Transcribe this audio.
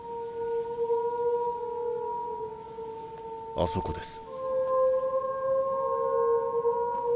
あそこです。